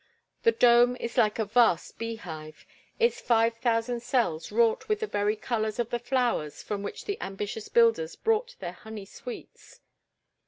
The dome is like a vast bee hive, its 5000 cells wrought with the very colors of the flowers from which the ambitious builders brought their honey sweets.